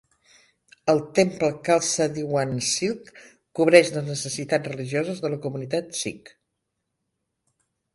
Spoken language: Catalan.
El temple Khalsa Diwan Sikh cobreix les necessitats religioses de la comunitat Sikh.